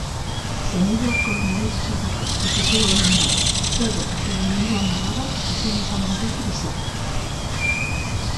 Senideak koronabirusagatik positibo eman badu edo isolamenduan badago, ezin izango dugu bisitatu.